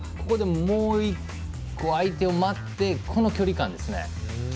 もう一個、相手を待ってこの距離感ですね。